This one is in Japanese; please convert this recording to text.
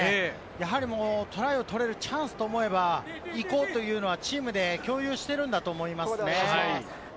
やはりトライを取れるチャンスと思えば、行こうというのは、チームで共有しているんだと思いますね。